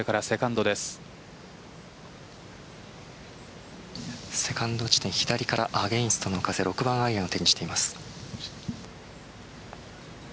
セカンド地点左からアゲンストの風６番アイアンを手にしています。